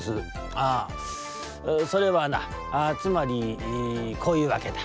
「ああそれはなあつまりこういうわけだ。